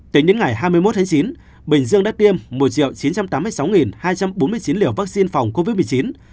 tính đến ngày hai mươi một tháng chín bình dương đã tiêm một chín trăm tám mươi sáu hai trăm bốn mươi chín liều vaccine phòng covid một mươi chín